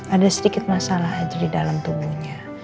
ada sedikit masalah aja di dalam tubuhnya